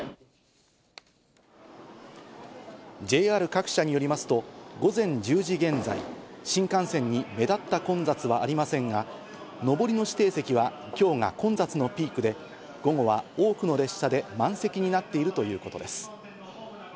ＪＲ各社によりますと午前１０時現在、新幹線に目立った混雑はありませんが、上りの指定席は今日が混雑のピークで午後は多くの列車で満席になっているということです。